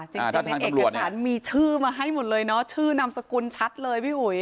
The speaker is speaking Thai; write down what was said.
จริงในเอกสารมีชื่อมาให้หมดเลยเนาะชื่อนามสกุลชัดเลยพี่อุ๋ย